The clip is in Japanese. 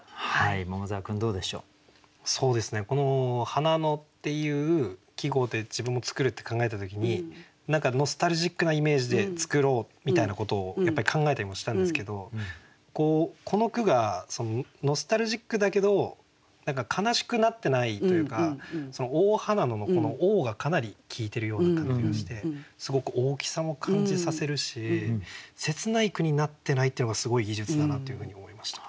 「花野」っていう季語で自分も作るって考えた時に何かノスタルジックなイメージで作ろうみたいなことをやっぱり考えたりもしたんですけどこの句がノスタルジックだけど悲しくなってないというか「大花野」の「大」がかなり効いてるような感じがしてすごく大きさも感じさせるし切ない句になってないっていうのがすごい技術だなというふうに思いました。